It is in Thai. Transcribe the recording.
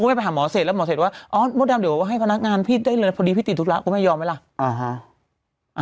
แล้วหมอเศษแล้วหมอเศษว่าอ๋อมดดำเดี๋ยวว่าให้พนักงานพี่ได้เลยนะพอดีพี่ติดทุกร้ากูไม่ยอมไหมล่ะอ๋อฮะ